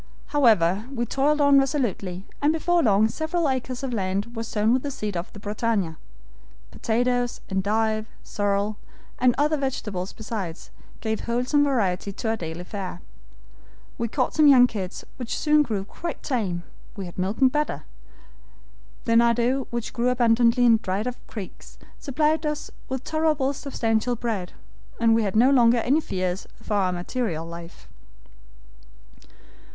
"However, we toiled on resolutely, and before long several acres of land were sown with the seed off the BRITANNIA; potatoes, endive, sorrel, and other vegetables besides, gave wholesome variety to our daily fare. We caught some young kids, which soon grew quite tame. We had milk and butter. The nardou, which grew abundantly in dried up creeks, supplied us with tolerably substantial bread, and we had no longer any fears for our material life.